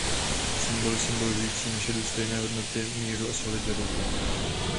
Symboly symbolizují naše důstojné hodnoty míru a solidarity.